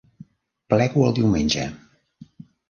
Plego el diumenge.